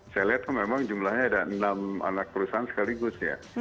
saya lihat kan memang jumlahnya ada enam anak perusahaan sekaligus ya